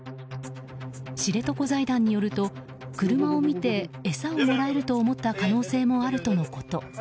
知床財団によると、車を見て餌をもらえると思った可能性もあるとのこと。